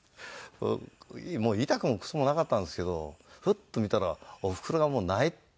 もう痛くもクソもなかったんですけどふっと見たらおふくろがもう泣いてますもんで。